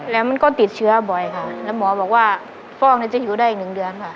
แล้วมันก็ติดเชื้อบ่อยค่ะแล้วหมอบอกว่าพ่อก็จะหิวได้อีก๑เดือนค่ะ